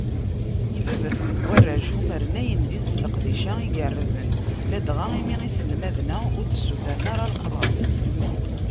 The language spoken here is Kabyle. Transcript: Ibabaten n warrac umren ayendin s leqdic-a igerrzen, ladɣa imi iselmaden-a ur d-ssutren ara lexlaṣ.